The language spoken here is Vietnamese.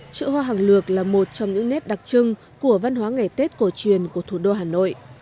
chợ hoa hàng lược là một trong những nét đặc trưng của văn hóa ngày tết cổ truyền của thủ đô hà nội